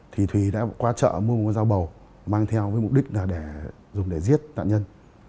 thì thủy đã qua chợ mua một con dao bầu mang theo với mục đích là để giết đạn nhân